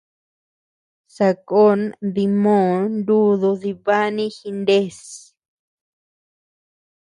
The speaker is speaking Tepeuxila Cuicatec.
Sakón dimoo nudu dibani jinés.